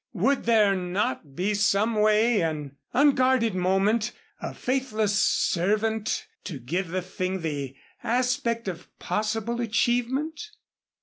Would there not be some way an unguarded moment a faithless servant to give the thing the aspect of possible achievement?